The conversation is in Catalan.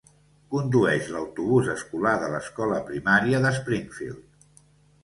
Condueix l'autobús escolar de l'Escola Primària de Springfield.